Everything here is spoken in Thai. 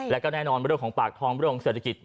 และก็แน่นอนเวลาของปากทองเวลาของเศรษฐกิจ